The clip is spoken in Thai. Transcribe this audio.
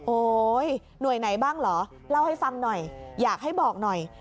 หน่วยไหนบ้างเหรอเล่าให้ฟังหน่อยอยากให้บอกหน่อย